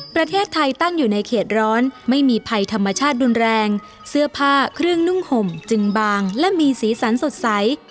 ประเทศไทยตั้งอยู่ในเขตร้อนไม่มีภัยธรรมชาติรุนแรงเสื้อผ้าเครื่องนุ่งห่มจึงบางและมีสีสันสดใส